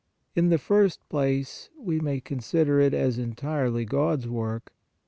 In the first place, we may consider it as entirely God s work.